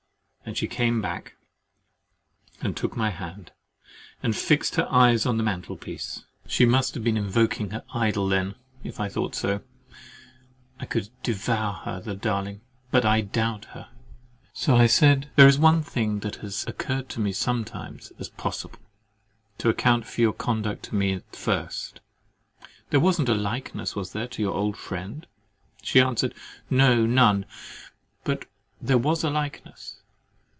and she came back and took my hand, and fixed her eyes on the mantelpiece—(she must have been invoking her idol then—if I thought so, I could devour her, the darling—but I doubt her)—So I said "There is one thing that has occurred to me sometimes as possible, to account for your conduct to me at first—there wasn't a likeness, was there, to your old friend?" She answered "No, none—but there was a likeness!"